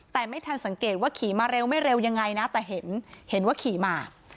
แต่ไม่ทันสังเกตว่าขี่มาเร็วไม่เร็วยังไงนะแต่เห็นเห็นว่าขี่มา